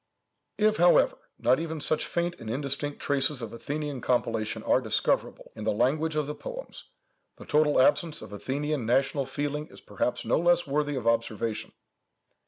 "If, however, not even such faint and indistinct traces of Athenian compilation are discoverable in the language of the poems, the total absence of Athenian national feeling is perhaps no less worthy of observation.